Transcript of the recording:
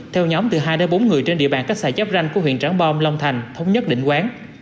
theo nhóm từ hai đến bốn người trên địa bàn cách xài chấp ranh của huyện tróng bom long thành thống nhất định quán